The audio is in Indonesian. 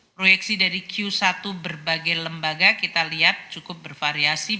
proyeksi dari q satu berbagai lembaga kita lihat cukup bervariasi